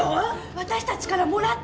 私たちからもらったって！